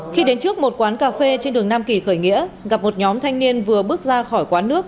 khi đến trước một quán cà phê trên đường nam kỳ khởi nghĩa gặp một nhóm thanh niên vừa bước ra khỏi quán nước